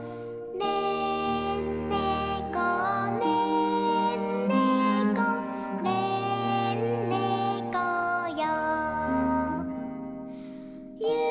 「ねんねこねんねこねんねこよ」